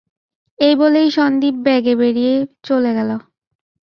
এই বলেই সন্দীপ বেগে বেরিয়ে চলে গেল।